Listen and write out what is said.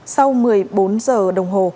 sau một mươi bốn h đồng hồ